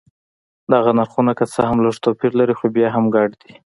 دغه نرخونه که څه هم لږ توپیر لري خو بیا هم ګډ دي.